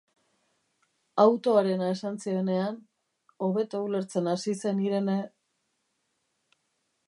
Autoarena esan zionean, hobeto ulertzen hasi zen Irene...